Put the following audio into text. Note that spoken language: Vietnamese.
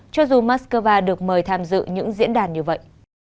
cho dù moscow được mời tham dự những diễn đàn như vậy